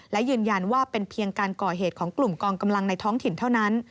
และยืนยันว่าเป็นเพียงการก่อเหตุของกลุ่มกองกำลังในท้องถิ่นเท่านั้น